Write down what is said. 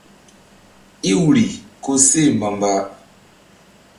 Iwri koseh mbamba.